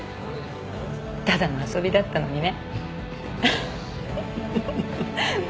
ただの遊びだったのにね。